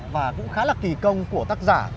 và cũng khá là kỳ công của tác giả